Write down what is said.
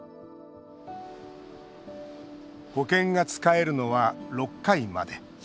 保険が使えるのは６回まで。